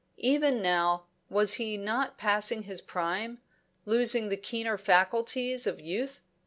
Even now was he not passing his prime, losing the keener faculties of youth?